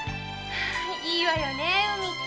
いいわよね海って。